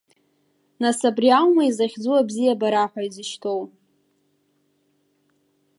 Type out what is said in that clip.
Нас, абри аума изахьӡу, абзиабара ҳәа изышьҭоу?